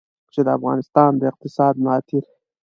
چې د افغانستان د اقتصاد ملا تېر.